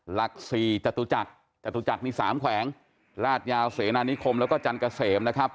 หลัก๔จตุจักรจตุจักรมี๓แขวงลาดยาวเสนานิคมแล้วก็จันเกษมนะครับ